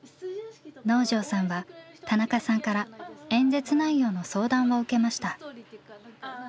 能條さんは田中さんから演説内容の相談を受けました。